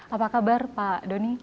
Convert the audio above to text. apa kabar pak doni